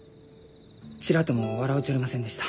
ちらとも笑うちょりませんでした。